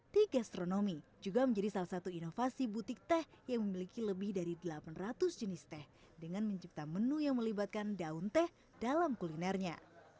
di gastronomi juga menjadi salah satu inovasi butik teh yang memiliki lebih dari delapan ratus jenis teh dengan mencipta menu yang melibatkan daun teh dalam kulinernya